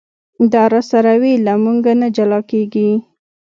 دا راسره وي له مونږه نه جلا کېږي.